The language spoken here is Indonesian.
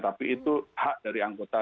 tapi itu hak dari anggota